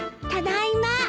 ただいま。